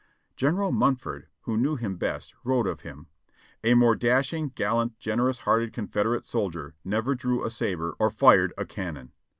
General Munford.who knew him best, wrote of him : "A more dashing, gallant, generous hearted Confederate sol dier never drew a sabre or fired a cannon.